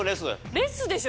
レスでしょ。